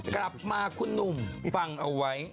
กลับมาคุณหนุ่มฟังเอาไว้